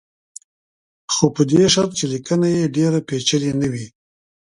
خو په دې شرط چې لیکنه یې ډېره پېچلې نه وي.